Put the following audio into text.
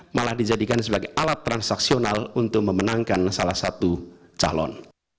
malah dijadikan sebagai alat transaksional untuk memenangkan salah satu calon